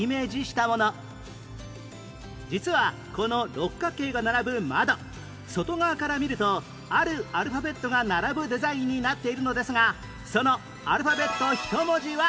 実はこの六角形が並ぶ窓外側から見るとあるアルファベットが並ぶデザインになっているのですがそのアルファベット１文字はなんでしょう？